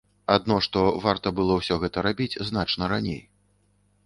Адно што варта было ўсё гэта рабіць значна раней.